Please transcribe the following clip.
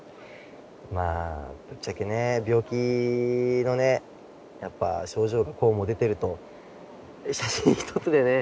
まあぶっちゃけね病気のねやっぱ症状がこうも出てると写真一つでね